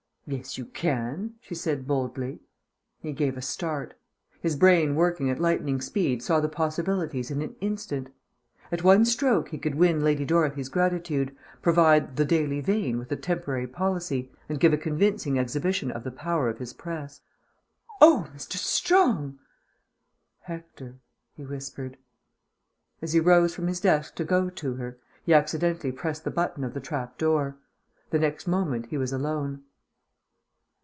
"Yes, you can," she said boldly. He gave a start. His brain working at lightning speed saw the possibilities in an instant. At one stroke he could win Lady Dorothy's gratitude, provide The Daily Vane with a temporary policy, and give a convincing exhibition of the power of his press. "Oh, Mr. Strong " "Hector," he whispered. As he rose from his desk to go to her, he accidentally pressed the button of the trap door. The next moment he was alone.